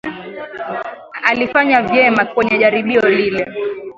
Alifanya vyema kwenye jaribio lile